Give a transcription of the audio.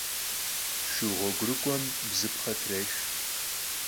Şşu ğuegurık'uem bzıpxhe trêx.